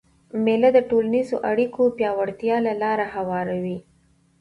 مېله د ټولنیزو اړیکو پیاوړتیا ته لاره هواروي.